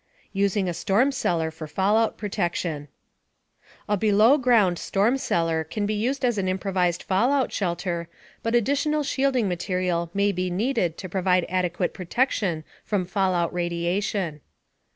USING A STORM CELLAR FOR FALLOUT PROTECTION A below ground storm cellar can be used as an improvised fallout shelter, but additional shielding material may be needed to provide adequate protection from fallout radiation.